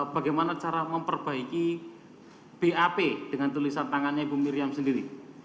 bagaimana cara memperbaiki bap dengan tulisan tangannya bumiriam sendiri